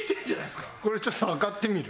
これちょっと測ってみる？